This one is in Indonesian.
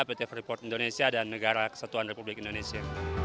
pt freeport indonesia dan negara kesatuan republik indonesia